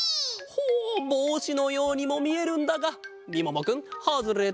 ほうぼうしのようにもみえるんだがみももくんハズレット！